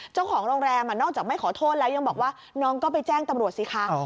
เจ้าของโรงแรมนอกจากไม่ขอโทษแล้วยังบอกว่าน้องก็ไปแจ้งตำรวจสิคะ